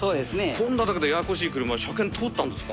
そんな中でややこしい車、車検通ったんですか？